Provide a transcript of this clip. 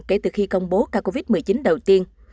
kể từ khi công bố ca covid một mươi chín đầu tiên